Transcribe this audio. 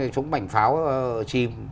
chúng mảnh pháo chìm